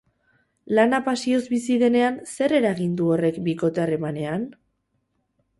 Lana pasioz bizi denean, zer eragin du horrek bikote harremanean?